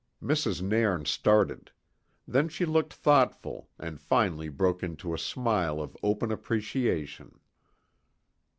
Mrs. Nairn started; then she looked thoughtful, and finally broke into a smile of open appreciation.